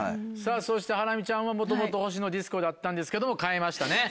そしてハラミちゃんはもともとほしのディスコだったんですけど変えましたね。